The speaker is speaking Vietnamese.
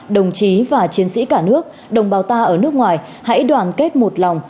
đồng chí và chiến sĩ cả nước đồng bào ta ở nước ngoài hãy đoàn kết một lòng